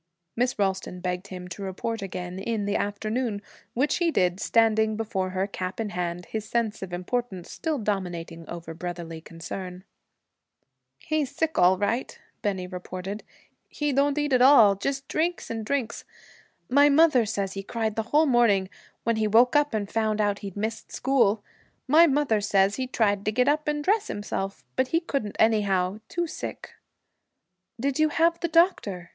Miss Ralston begged him to report again in the afternoon, which he did, standing before her, cap in hand, his sense of importance still dominating over brotherly concern. 'He's sick, all right,' Bennie reported. 'He don't eat at all just drinks and drinks. My mother says he cried the whole morning, when he woke up and found out he'd missed school. My mother says he tried to get up and dress himself, but he couldn't anyhow. Too sick.' 'Did you have the doctor?'